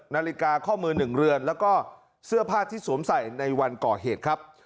นาฬิกาข้อมือ๑เรือนแล้วก็เสื้อผ้าที่สวมใส่ในวันก่อเหตุครับ